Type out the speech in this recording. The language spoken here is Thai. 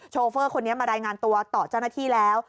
โฟคนนี้มารายงานตัวต่อเจ้าหน้าที่แล้ว